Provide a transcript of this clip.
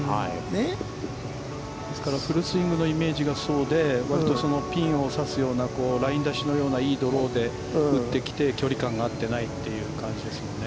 フルスイングのイメージがピンをさすようなライン出しのようないいドローで打ってきて、距離感が合ってないという感じですよね。